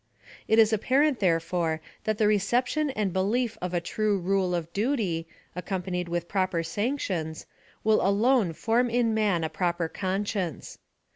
It is apparent, therefore, that the reception and belief of a true rule of duty, accompanied with proper sanctions, will alone form in man a proper conscience.